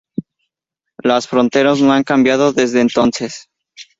Las fronteras no han cambiado desde entonces.